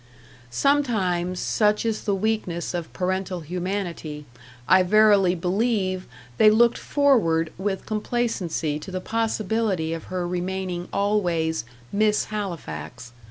Sometimes, such is the weakness of parental humanity, I verily believe they looked forward with complacency to the possibility of her remaining always Miss Halifax.